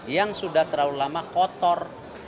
yang sudah terlalu lama kotor